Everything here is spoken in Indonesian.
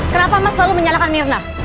kenapa mas selalu menyalahkan mirna